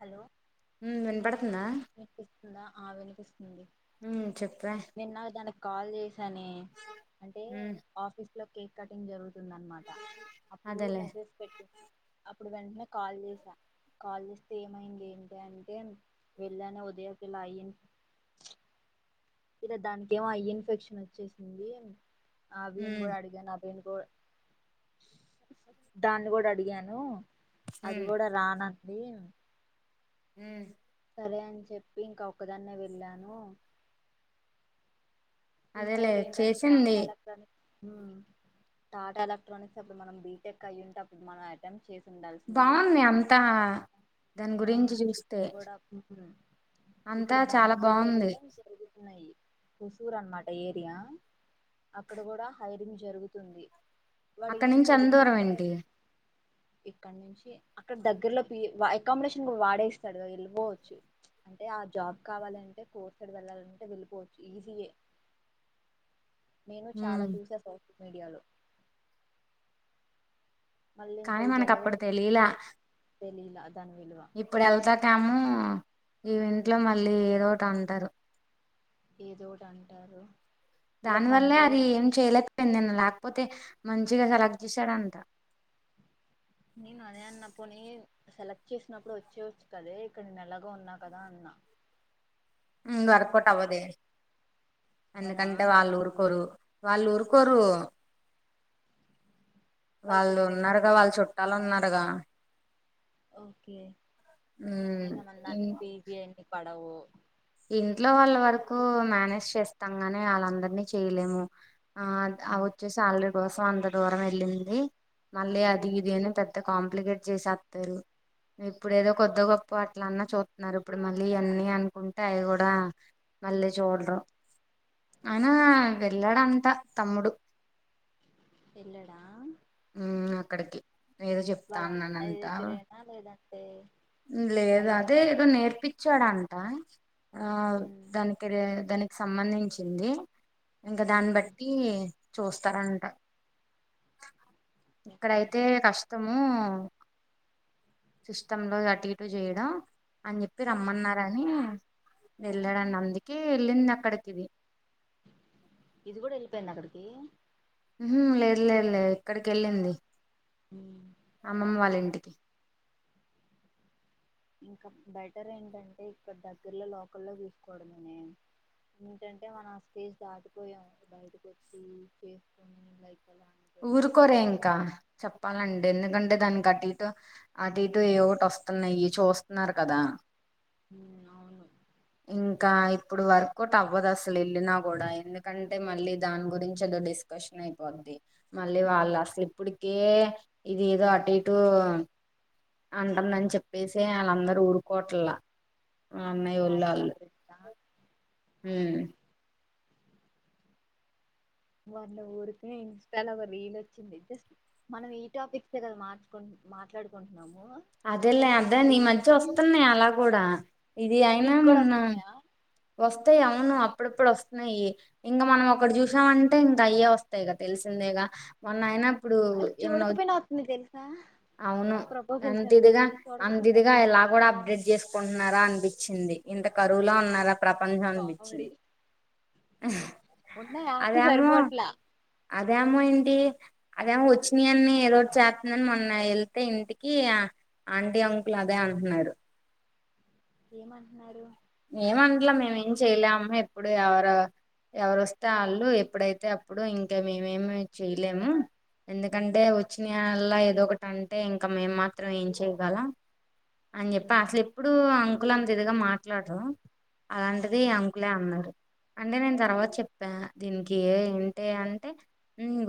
Hello ఊ వినపడుత్ వినిపిస్తుందా ఆవిని ఉమ్ చెప్పే నిన్న తనకి కాల్ చేశానే అంటే ఉమ్ ఆఫీస్ మల కేక కటింగ్ జరుగుతుం దనమాట అప్పుడు అదేలే మెసేజ్ పెట్టి అప్ ఇప్పుడు వెంటనే కాల్ చేసా కాల్ చేస్తే ఏమైంది ఏంటె అంటే వెళ్ళానే ఉదయకిలా అయ్యింది. ఇలా దానికేమో ఐ ఇన్ఫెక్షన్ వచ్చేసింది. ఆ వీన్ ఉమ్ కూడా అడిగాన్ అప్ నేను కూడ దాన్ని కూడా అడిగాను. అది ఉమ్ కూడా రానన్ బే ఊ సరే అని చెప్పి ఇంక ఒకదాన్నే వెళ్ళాను. అదేలే ఇంకోటి ఏంటండి చేసింది చాకాలక్కని ఊ టాటా ఎలక్ట్రానిక్స్ అప్పుడు మనం బీటెక్ అయుంటే మనం అటెంప్ట్ చేస్ బావుంది అంతా దాని ఆ గురించి చూస్తే షిఫ్ట్ కూడా ఉమ్. అంతా ఇక్కడ చాలా బ్యాంగ్లూర్ లో బాగుంది కూడా జరుగుతున్నాయి. హుసూర్ అనమాట్ డఏరియా అక్కడ కూడా హైరింగ్ జరుగుతుంది. వాడు ఏం అక్కనుంచి లేదు ఎందూరం ఏంటి మ్యానుఫ్యాక్చర్ ఇక్కడ నుంచి అక్కడ దగ్గరలో పి అకామిడేషన్ కూడా వాడేస్తాడు కా వెళ్ళిపోవచ్చు అంటే ఆ జాబ్ కావాలంటే కోర్స్డ వెళ్ళాలంటే వెళ్ళిపోవచ్చు ఈజీయే నేను చాలా ఉమ్ చూసా సోషల్ మీడియాలో కానీ మళ్ళింక ఇది మనకు ఎలాగో అప్పుడు తెలియలా తెలిలా అదని విల్వ టామము ఈ ఇంట్లో మళ్ళీ ఏదోటి అంటారు. ఏదో ఒకటి అంటారు దాని ప్లస్ వల్లే అంటే అది ఏం చేయలేక్ పోయింది నిన్న లేకపోతే మంచిగా సెలక్ చేసాడంట నేను అదే అన్న పోని సెలెక్ట్ చేసినప్పుడు వచ్చేవచ్చు కదే ఇక్కడ నేను ఎలాగ ఉన్నా కదా అన్నా ఉ వర్కోట్ అవ్వదే అవ్వదా ఎందుకంటే వాళ్ళు ఊరుకోరు వాళ్ళు ఊరుకోరు వాళ్ళ వాళ్ళు పేరెంట్సా ఉన్నారుగా వాళ్ళు చుట్టాలు ఉన్నార్ టగా ఓకే అయిన మనికి ఇన్ పిజిన్ని ప అవు ఇంట్లో వాళ్ళ వరకు మేనేజ్ చేస్తాం గాని వాళ్ళందరినీ చేయలేము ఆ వచ్చే సాలరీ కోసం అంత దూరం వెళ్ళింది మళ్ అది ఇది పెద్ద కాంప్లికేట్ చేసేస్తారు ఇప్పుడు ఏదో కొద్ద గొప్పు అట్లా అన్నా చూస్తుతున్నారు ఇప్పుడు మళ్ళీ అన్ని అనుకుంట అంటాయి కూడా మళ్ళీ చూడరు అయినా వెళ్ళాడంత తమ్ముడు వెళ్ళడా ఉ అక్కడికి ఏదో చెప్తా అన్నాన అంటా ఏ లేదా అదే ఏదో నేర్పచ్చాడంట ఆ ఉమ్ దనకెద దధనికి సంబంధించింది ఇంకా దాన్ని ఉమ్. బట్టి చూస్తారంట ఓకే ఇక్కడైతే కష్టం సిస్టమ్ లో అటు ఇటు చేయడం అని చెప్పి ఉమ్. రమ్మన్నార అని వెళ్ళాడాని ఉమ్. అందుకే వెళ్ళింది కడకిది ఇది కూడా వెళ్ళిపోయింద అక్కడికి లేదు లేదు లే ఇక్కడికి వెళ్ళింది ఉమ్. అమ్మమ్మ వాళ్ళ ఇంటిక్ ఓకే ఇంకా బెటర్ ఏంటంటే ఇక్కడ దగ్గరలో లోకల్లో తీూసుకోవడనే ఏంటంటే మనం ఆ స్టేజ్ దాటిపోయాం బయటకు వచ్చి చేసుకుని లైక్ ఎలా అంటే ఊరుకోరే ఇంకా చెప్పాలంటె ఎందుకు అంటే దానికి అటు ఇటు అటు ఇటు ఏ ఒకటి వస్తున్నాయి చూస్తున్నారు కదా ఉమ్ అవును ఇంకా స్టాటస్ ఇప్పుడు వర్కౌట్ అవ అవదు అసలు వెళ్ళిన కూడా ఎందుకంటే మళ్ళీ దాని గురించి ఏదో డిస్కషన్ అయిపోద్ది మళ్ళీ ఉమ్ వాళ్ళు అసలు ఇప్పుడు కే ఇది ఏదో అటు ఇటు అంటుందని చెప్పేసి వాళ్ళందరుూ ఊరుకోట్లా అన్నయి ఒళ్లు అల్లు మ్మ్ ఇవాల ఊరుకె ఇన్స్టాల ఒక రీల్ వచ్చింది జస్ట్ మనం ఈ టాపిక్ కె కదా మార్చుకు మాట్లాడుకుంటున్నాము అదేలే అదే నీ రీల్ మధ్య వస్తున్నాయి అలా కూడా ఇది అయినా నీకు కూడా మొన్న వస్తున్నాయా వస్త వస్తయి అవును అప్పుడప్పుడు వస్తున్నాయి ఇంకా మనం ఒక్కటి చూసామంటే ఇంక అయ్యే వస్తాయిగా తెలిసిందేగా మొన్న అయిన అయినా ఇప్పుడు వాళ్ ఏమన్నా చూడకపోయినా వతుంది తెలుసా అవును ప్రభా అంత ఇదిగా అంత ఇదిగా ఇలా కూడా అప్డేట్ చేసుకుం న్నారా అనిపించింది ఇంత కరువులో ఉన్నారా ప్రపంచం కామెడీ అనిపించింది ఉన్న యాప్స్ సరిపోట్లా అదేమో ఏంటి అదేమో వచ్చినాయి అని ఏదో చతుందని మొన్న వెళ్తే ఇంటిక్ కి ఆ ఆంటీ అంకుల్ అదే అంటున్నారు ఏమంటున్నారు ఏమంటలా మేమేం చేయలేమ్మ ఎప్పుడు ఎవరు ఏమట్ల మేం ఏంచేయిలము ఎప్పుడు ఎవరో ఎవరొస్తే ఆళ్ళు ఎప్పుడైతే అప్పుడు ఇంకా మేమేమి చేయలేము ఎందుకంటే వచ్చినాయల్లా ఏదో ఒకటంటే ఇంకా మేం మాత్రం ఏం చెయగలం అని చెప్పా ఉమ్ అసలు ఎప్పుడు అం అంకుల్ అంతిదిగా మాట్ [unintelligible] అలాంటిది అవును అంకులే అన్నారు అంటే నేను తర్వాత చెప్పా దీనికి ఎ ఏంటి అంటే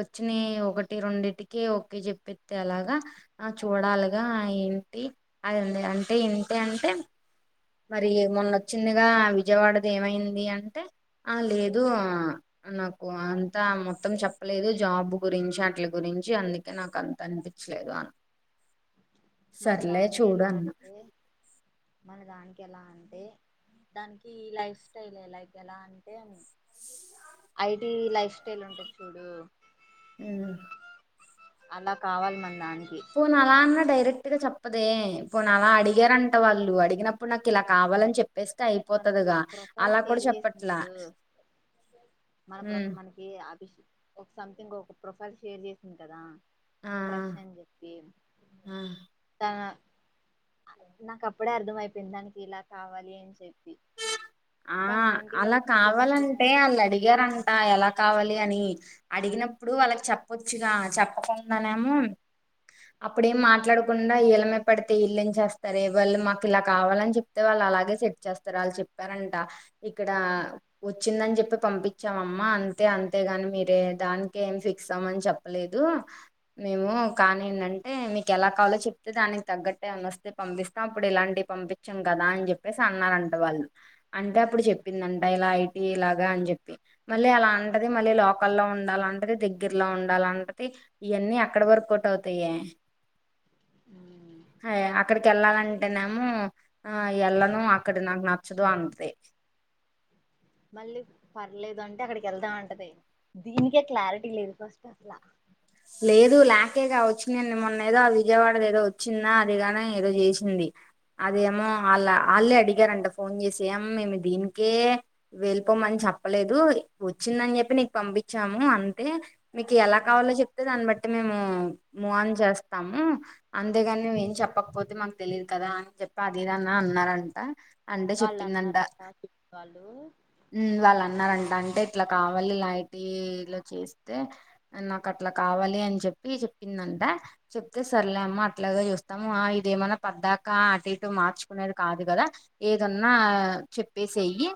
వచ్చినయ్ ఒకటి రెండింటికి ఒక చెప్పేత్తే ఎలాగా ఆ చూడాలిగా ఏంటి అదండి అంటే ఏంటి అంటే మరి మొన్న వచ్చిందిగా విజయవాడది ఏమైంది అని అంటే ఆ లేదు ఉమ్, ఆ నాకు అంతా మొత్తం చెప్పలేదు జాబ్ గురించి అటిల గురించి అందుకే నాకు అంత అనిపించలేదు అం మన దానికి ఎలా అంటే మన దానికి ఎలా అంటే దానికి లైఫ్ స్టైల్ ఎ లైక్ ఎలా అంటే ఐటి లైఫ్ స్టైల్ ఉంటది చూడు మ్మ్ అలా కావాలి మన దాన్ని పో నాల అన్నా డైరెక్ట్ గా చెప్పదే ఇప్పుడు న అలా అడిగారంట వాళ్ళు అడిగినప్పుడు నాకు ఇలా కావాలని చెప్ప మనకి ఒక ప్రొఫైల్ షేర్ చేసింది చెప్పట్లా చూడు మన ప్రొ ఉమ్ మనకి ఒక సంథింగ్ ఒక ప్రొఫైల్ షేర్ చేసింది కదా ఆ క్రష్ అని జెప్పి ఆ తన నాకు అప్పుడే అర్థంమయిపోయింది దానికి ఇలా కావాలి అని చెప్పి ఆ కానీ ఆంటీ అలా వాళ్ళు చూసే మ్యాచెస్ కావాలంటే వాళ్ళు అడిగారంట ఎలా కావాలి అని అడిగినప్పుడు వాళ్ళకి చెప్పొచ్చుగా చెప్పకుండానే ఏమో అప్పుడేం మాట్లాడకుండా ఇల మీద పడితే ఇళ్లెం చేస్తారే వాళ్ళు మాకు ఇలా కావాలని చెప్తే వాళ్ళు అలాగే సెట్ చేస్తారు వాళ్ళు చెప్ వరంట ఇక్కడ వచ్చిందని చెప్ పంపించాం అమ్మా అంతే అంతేగాని మీరే దానినికి ఏమి ఫిక్స్ అమని చెప్పలేదు మేము కానీ ఏంటంటే మీకు ఎలా కావాలో చెప్తే దానికి తగ్గట్టే ఏనా వస్తే పంపిస్తాం అప్పుడు ఇలాంటివి పంపించాం కదా అని చెప్పేసి అన్నారంట వాళ్ళు అంటే అప్పుడు చెప్పిందంట ఇలా ఐటీ ఇలాగా అని చెప్పి మళ్ళీ అలా అంటది మళ్ళీ లోకల్లో ఉండాలంటది దగ్గరలో ఉండాలంటది ఇయాన్ని ఎక్కడ వర్క ఒకట్ అవుతాయే అక్కడికి వెళ్ళాలంటేనేమో ఆ ఎల్లను అక్కడ నాక్ నా చదు అంతే మళ్ళీ పర్లేదు అంటే అక్కడికి వెళ్దాంటది దీనికే క్లారిటీ లేదు ఫస్ట్ అసలా లేదు లేకే కా వచ్చిందడి మొన్న ఏదో ఆ విజయవాడది ఏదో వచ్చిందా అదిగానే ఏదో చేసింది అదేమో వాళ్ళ వాళ్ళే అడిగారంట ఫోన్ చేసి ఏం మేము దీనికే వెళ్ళిపోమని చెప్పలేదు వచ్చిందని చెప్పి నీకు పంపించాము అంతే మీకు ఎలా ఉ కావాలో చెప్ దాన్ని బట్టి మేము మూవన్ చేస్తాము అంతేగాని నువు ఏం చెప్పకపోతే మాకు తెలిదు కదా అని చెప్పి అదేదనా అన్నారంట అంటే వాళ్ళు చెప్పిందంట అన్నారంట కిడ్స్ వాళ్ళు వాళ్ళు అన్నరాట అంటే ఇట్లా కావాలి ఐటీ లో చేస్తే నాకు అట్లా కావాలి అని చెప్పి చెప్పిందంట చెప్తే సర్లేమ్మ అట్లాగ చూస్తాము ఇదేమన్నా పద్దాకా అటు ఇటు మార్చుకునేది కాదు కదా ఏదన్నా చెప్పేసేయ్యి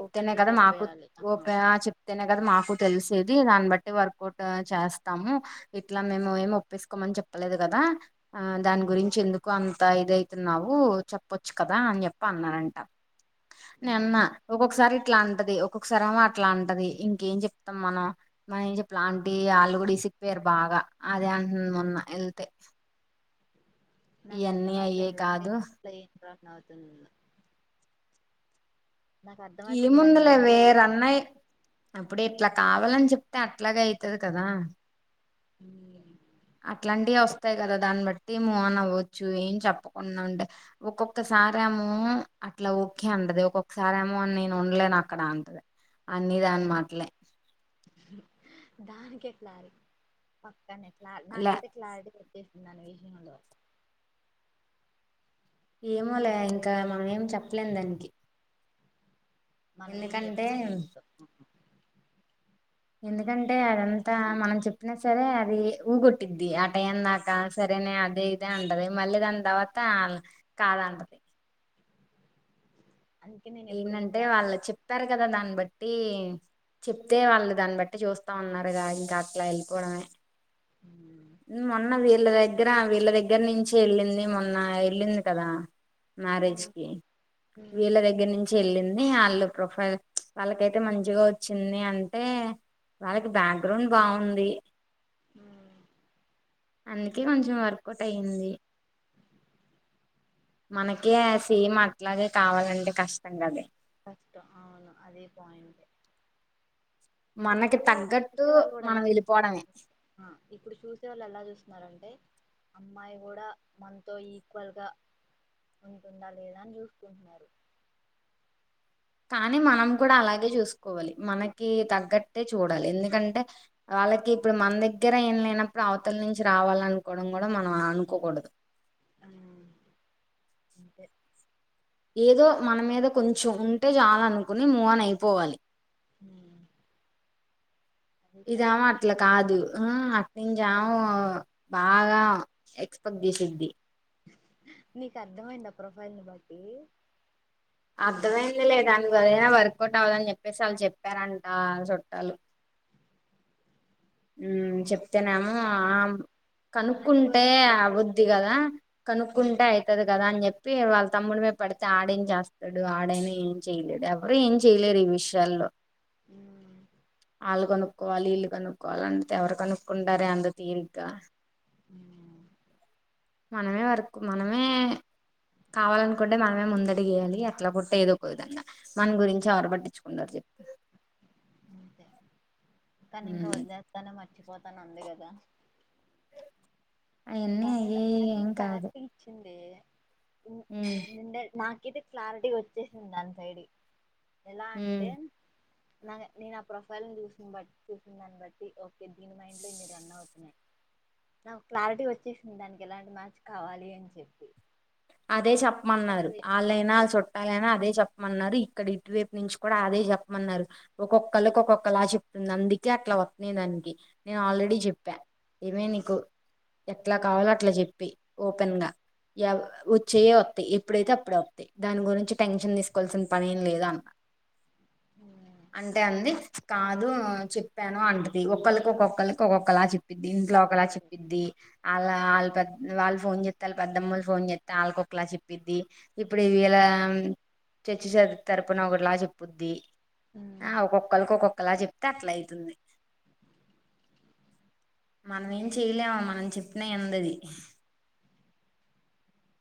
ఓపెన్ గా కదా చెప్పేయాలి మాకుఓ అమ్మ చెప్తేనే కదా మాకు తెలిసేది దాన్ని బట్టి వర్కౌట్ చేస్త చెస్తాము ఇట్లా మేము ఏమి ఒప్పేసుకోమని చెప్పలేదు కదా ఆ దాని గురించి ఎందుకు అంత ఇదవుతున్నావు చెప్పచ్చు కదా అని చెప్ప అన్నాారంట నీన్నా ఒసారి ఇట్లా అంటది ఒక్కొక్కసారి ఆమె అట్లా అంటది ఇంకేం చెప్తాం మనం మనం ఏం చెప్పలాంటి ఆళ్ కూడా చెప్పారు బాగా అదే అంత మొన్న వెళ్తే నాకు ఇవన్నీ అయ్యే అర్థంమయిపోయింది లహరీ కాదు [inaudible] ఏముందలే వే రాన్నయి అప్పుడ ఎట్లా కావాలని చెప్తే అట్లాగే అయితది కదా ఉమ్ అట్లాంటివి వస్తాయి కదా దాన్ని బట్టి మూ అన్ అవ్వచ్చు ఏం చెప్పకుండా ఉండే ఒక్కొక్కసారేమో అట్లా ఓకే అంటది ఒక్కొక్కసార ఏమో అని నేను ఉండలేను అక్కడ అంటది అన్నీ దాని మాటలే దానికి క్లారిట్ లే దానికి ఎట్లా క్లారీ [inaudible] ఏమోలే ఇంకా మనం ఏం చెప్పలేం దానికి మనం ఏం ఎందుకంటే చెప్పినా ఎందుక ఎందుకంటే అదంతా మనం చెప్పినా సరే అది ఊ కొట్టిద్ది ఆ టైం దాకా అంతే సరేనే అదే ఇదే అంటది మళ్ళీ దాని తర్వాత కాద అంటది అందుకే నేను ఎప్పుడు ఏం ఏంటంటే చెప్పను వాళ్ళు చెప్పారు కదా దాన్ని బట్టి బట్టి చెప్తే వాళ్ళు దాన్ని బట్టి చూస్తా ఉన్నారుగాదా ఇంకా అట్లా వెళ్ళిపోవడమే మోన్న వీర్లగా దగ్గర వీళ్ళ దగ్గర నుంచి వెళ్ళింది మొన్న వెళ్ళింది కదా ఉ మ్యారేజ్కి వీళ వెళ్ళింది వాళ్ళు ప్రొఫైల్ వాళ్ళకైతే మంచిగా వచ్చింది అంటే వాళ్ళకి బ్యాక్గ్రౌండ్ బాగుంది అందుకే అంతే కొంచెం వర్కౌట్ అయ్యింది మనకే సేమ్ అట్లాగే కావాలంటె కష్టం కదే కష్టం అవును అదే పాయింట్ మనకి ఇప్పుడు తగ్గట్టు చూసే వాళ్ళు గుడా మనం ఎలా వెళ్ళిపోవడమే చూస్తున్నారన్ ఇప్పుడు చూసే వాళ్ళు ఎలా చూస్తున్నారంటే అమ్మాయి గూడా మనతో ఈక్వల్గా ఉంటుందా లేదా అని జూస్కుంటున్నారు. కానీ మనం కూడా అలాగే చూసుకోవాలి మనకి తగ్గట్టే చూడాలి ఎందుకంటే వాళ్ళకి ఇప్పుడు మన దగ్గర ఏం లేనప్పుడు అవతల నుంచి రావాలనుకోవడం కూడా మనం అనుకోకూడదు. ఆ అంతే ఏదో మన మీద కొంచెం ఉంటే చాలనుకుని మూఆన్ ఐపోవాలి. మ్మ్ ఇదామ అట్ల కాదు మ్మ్ అట్ నెన్ జాము బాగా ఎక్స్పెక్ట్ జేసిద్ధి నీకర్ధమైందా ప్రొఫైల్ ని బట్టి అర్థమయింది లే గానీ వదిన వర్క్ ఔట్ అవదన్ జెప్పేసి ఆల్ చెప్పారంట ఆల్ చుట్టాలు. ఉమ్ చెప్ ఇతనేమో అంటే ఆ ఆమ్ ఆంటీ కనుక్కుంటే వాళ్ళతో ప్రొఫైల్ అవుద్ది షేర్ చేయి గదా కనుక్కుంటే ఐతది కదా అన్ జెప్పి వాల్ తమ్ముడి మీద పడితే ఆడేం చేస్తడు ఆడైనా ఏం చేయలేడు ఎవరు ఏం చేయలేరు ఈ విషయాల్లో మ్మ్ ఆళ్లు కొనుక్కోవాలి ఈళ్ళు కొను కోలంతే ఎవరు కొనుక్కుంటారే అంత తీరిగ్గా హ్మ్మ్ మనమే వర్కు మనమే కావాలనుకుంటే మనమే ముందడుగు వేయాలి అట్లా గుట్టే ఏదో ఒక విధంగా మన గురించి ఎవరు పట్టించుకుంటారు చెప్పు కనీ ఇంక ఉమ్, వద్లేస్తానే మ వచ్చిపోతానంది కదా అవన్నీ కానీ అయ్యే అది క్లారిటీ ఇచ్చిందే మ్మ్ ఇది క్లారిటీ వచ్చేసింద్ దాన్ సైడు ఎలా ఉమ్ అంటే నాగ నేన్ ఆ ప్రొఫైల్ని చూసిన్ బట్ చూసిన్ దాన్ని బట్టి ఓకే దీని మైండ్ లో ఇన్ని రన్ అవుతున్నాయ్ నాకు క్లారిటి వచ్ ఇచ్చేసింది దానికెలాంటి మ్యాచ్ కావాలి అన్ చెప్పి అదే ఇంకా చెప్పమన్నారు వాళ్ళు ఆళ్ళైనా చుట్ ఆల్లయినా అదే చప్మన్నారు ఇక్కడ ఇటువేపు నుంచి కూడా అదే చెప్మన్నారు ఒక్కొక్కళకి ఒక్కొక్కలా చెప్తుంది అందుకే అట్లా వ నేనంది నేనాల్రెడీ చెప్పా ఏమే నీకు ఎట్లా కావాలో అట్ల జెప్పెయ్ ఓపెన్ గా ఎవ్ వొచ్చేయే వొత్తయి ఎప్పుడైతే అప్పుడే ఓత్తయి దాని గురించి టెన్షన్ తీసుకోవాల్సిన పనేం లేదు అన్న ఉమ్, అంటే అంది కాదు చెప్పాను అంటది ఒక్కళ్ళకి ఒక్కొక్కళ్లకి ఒక్కొక్కలా చెప్ పిద్ది ఇంట్లో ఒకలా తప్పకూడదు చెప్పిద్ది ఆళ్ళ ఆల్ పెద్ వాళ్ ఫోన్ జేత్తల్ పెద్దమ్మలు ఫోన్ జేత్ తాలకొక్కలా చెప్పిద్ది ఇప్పుడు ఇవాళ చచ్చి చర్ తరపున ఒకటిలా చెప్పుద్ది ఆ ఉమ్, ఒక్కొక్కలక్ ఒకొక్ ఒకలా జెప్తే అట్లైతుంది మనమేం చెయ్లేం మనం చెప్పినా ఇన్దది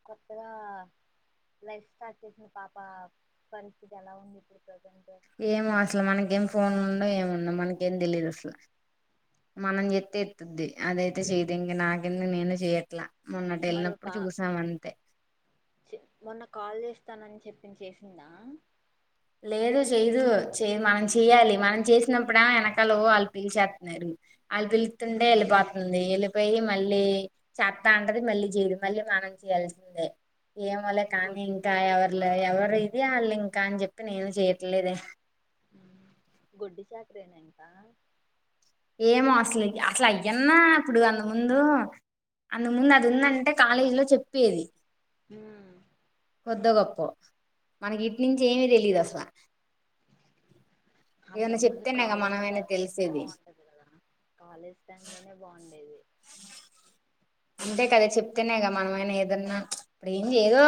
కొత్తగా లైఫ్ స్టార్ట్ చేసిన పాప పరిస్థితి ఎలా ఉంది ఇప్పుడు ప్రజంట్ ఏమో అసలు మనకేం ఫోన్ ఉండవు ఏముండవు మనకేం తెలీదసల మనం జెత్తే తుద్ది అదైతే చెయ్దింక నాకింద నేను చెయ్యట్లా మరో పా ఇచ్ మొన్న కాల్ చేస్తానని చెప్ [unintelligible] చేసిందా లేదు చేయ్యదు చే మనం చెయ్యాలి మనం చేసినప్పుడు వెనకాల ఓ వాళ్ళు పిలిచేస్తాన్నరు వాళ్ళు పిలుత్తుంటే వెళ్ళిపోతుంది వెళ్ళిపోయి మళ్ళీ చేత్తా అంటది మళ్ళీ చేయదు మళ్ళీ మనం చేయాల్సిందే ఏమోలే కానీ గొడ్డు ఇంకా చాకరి ఎవర్లే అయిపోయిందా ఎవరు ఇది వాళ్ళింకా అని చెప్ నేనూ చేయట్లేదే మ్ గొడ్డు చాకిరేనంట ఏమో అసలు అసలు అయ్యన్నా ఇప్పుడు అంతకముందు అంతకముందు అది ఉందంటే కాలేజీ లో చెప్పేది మ్ కొద్దో గొప్పో మనకి ఇటునుంచి ఏమీ తెలీదసల ఏదన్నా అంతకుముందు చెప్తేనేగా కాలేజ్ మనమైనా టైం తెలిసేది బాగుంటది కాలేజ్ టైమ్ లోనే బావుం డేది అంతే కదా చెప్తేనే గా మనమైనా ఏదన్నా ఇప్పుడు ఏందేదో